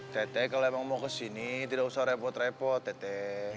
teteh kalau mau ke sini tidak usah repot repot teteh